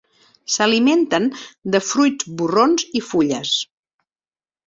S'alimenten de fruits borrons i fulles.